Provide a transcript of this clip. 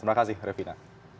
terima kasih revina